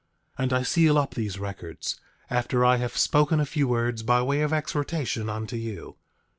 10:2 And I seal up these records, after I have spoken a few words by way of exhortation unto you.